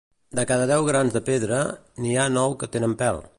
De cada deu grans de pedra, n'hi ha nou que tenen pèl.